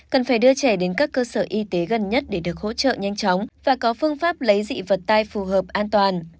cần phải đưa trẻ đến các cơ sở y tế gần nhất để được hỗ trợ nhanh chóng và có phương pháp lấy dị vật tai phù hợp an toàn